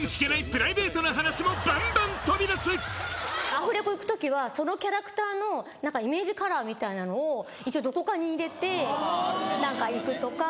バンバン飛び出すアフレコ行く時はそのキャラクターのイメージカラーみたいなのを一応どこかに入れて行くとか。